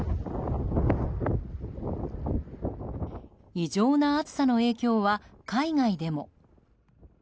異常な暑さの影響は海外でも。